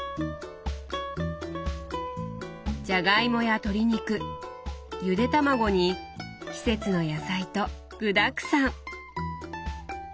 じゃがいもや鶏肉ゆで卵に季節の野菜と具だくさん。